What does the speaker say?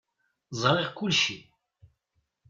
Zṛiɣ kulci.